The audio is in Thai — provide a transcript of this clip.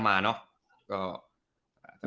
มีจังหวะดีเลย์ด้วยนิดหน่อย